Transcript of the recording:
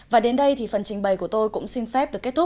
và đến đây thì phần trình bày của tôi cũng xin phép được kết thúc